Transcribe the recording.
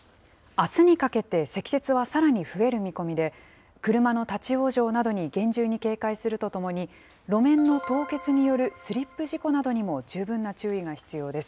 あすにかけて、積雪はさらに増える見込みで、車の立往生などに厳重に警戒するとともに、路面の凍結によるスリップ事故などにも十分な注意が必要です。